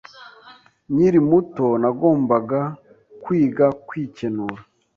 Nkiri muto, nagombaga kwiga kwikenura.